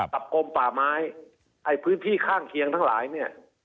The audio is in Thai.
กลมป่าไม้ไอ้พื้นที่ข้างเคียงทั้งหลายเนี่ย